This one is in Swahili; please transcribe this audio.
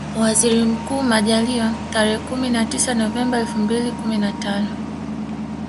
Waziri Mkuu Majaliwa tarehe kumi na tisa Novemba elfu mbili na kumi na tano